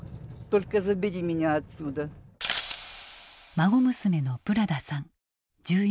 孫娘のブラダさん１４歳。